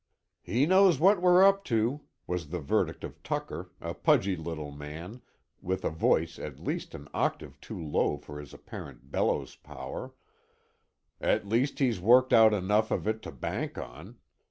"He knows what we're up to," was the verdict of Tucker, a pudgy little man, with a voice at least an octave too low for his apparent bellows power; "at least he's worked out enough of it to bank on.